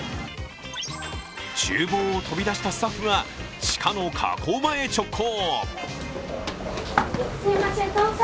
ちゅう房を飛び出したスタッフが地下の加工場へ直行。